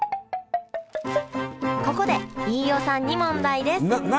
ここで飯尾さんに問題です何？